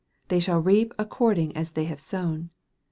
They shall reap according as they have sown.